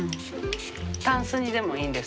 たんすにでもいいんですか？